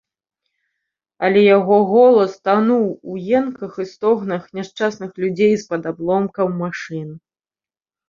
Але яго голас тануў у енках і стогнах няшчасных людзей з-пад абломкаў машын.